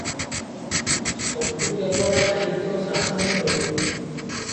ସବୁ କେବଳ ସାହିତ୍ୟ ଓ ଶାସନକୁ ନେଇ ।